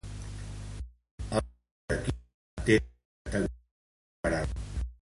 Els dos equips mantenen la categoria per a l'any vinent.